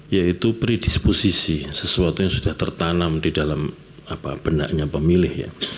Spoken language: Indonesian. yaitu beri disposisi sesuatu yang sudah tertanam di dalam benaknya pemilih